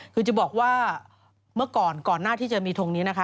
คือจะบอกว่าเมื่อก่อนก่อนหน้าที่จะมีทงนี้นะคะ